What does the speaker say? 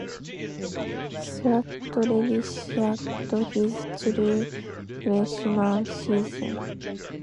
Surratt redshirted his true freshman season.